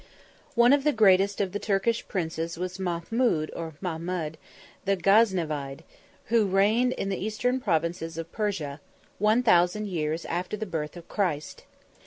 One of the greatest of the Turkish princes was Mahmood or Mahmud, 1 the Gaznevide, who reigned in the eastern provinces of Persia, one thousand years after the birth of Christ.